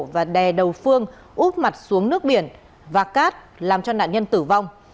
và đè đầu phương úp mặt xuống nước biển và cát làm cho nạn nhân tử vong